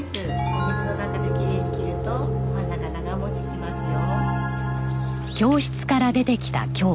お水の中できれいに切るとお花が長持ちしますよ。